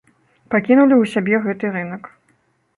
Пакінулі ў сябе гэты рынак.